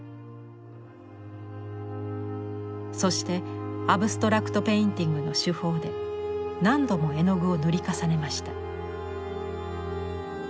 そして「アブストラクト・ペインティング」の手法で何度も絵の具を塗り重ねました。